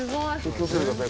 気をつけてください。